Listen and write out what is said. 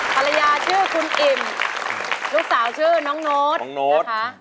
ภรรยาชื่อคุณอิ่มลูกสาวชื่อน้องโน้ตนะคะ